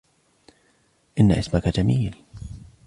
إن اسمك جميل.